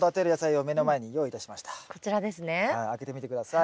はい開けてみて下さい。